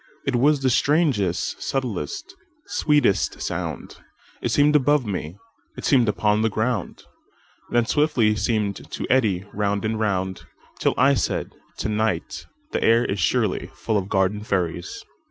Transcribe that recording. It was the strangest, subtlest, sweetest sound:It seem'd above me, seem'd upon the ground, Then swiftly seem'd to eddy round and round, Till I said: "To night the air isSurely full of garden fairies."